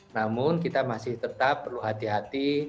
namun kita masih tetap perlu hati hati